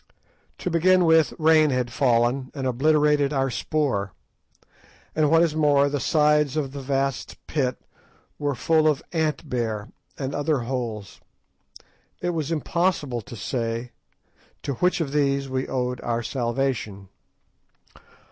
To begin with, rain had fallen, and obliterated our spoor; and what is more, the sides of the vast pit were full of ant bear and other holes. It was impossible to say to which of these we owed our salvation.